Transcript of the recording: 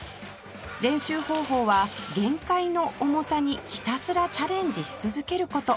練習方法は限界の重さにひたすらチャレンジし続ける事